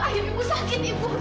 amira ibu sakit